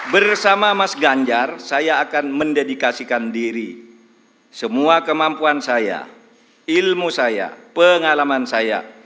bersama mas ganjar saya akan mendedikasikan diri semua kemampuan saya ilmu saya pengalaman saya